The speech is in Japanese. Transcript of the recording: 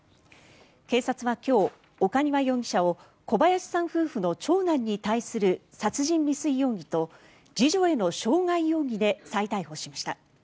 警察は今日、岡庭容疑者を小林さん夫婦の長男に対する殺人未遂容疑と次女への傷害容疑で再逮捕しました。